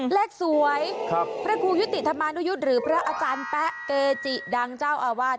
เลขสวยพระครูยุติธรรมานุยุทธ์หรือพระอาจารย์แป๊ะเกจิดังเจ้าอาวาส